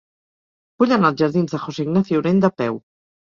Vull anar als jardins de José Ignacio Urenda a peu.